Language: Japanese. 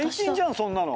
そんなの。